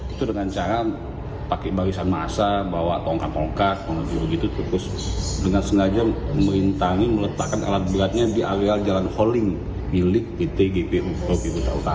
itu dengan cara pakai barisan masa bawa tongkat tongkat dengan sengaja memerintangi meletakkan alat beratnya di area jalan hauling milik pt gpu